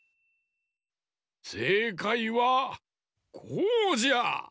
せいかいはこうじゃ！